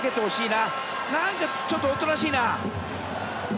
なんかちょっとおとなしいな。